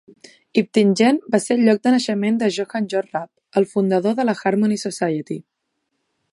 Iptingen va ser el lloc de naixement de Johann Georg Rapp, el fundador de la Harmony Society.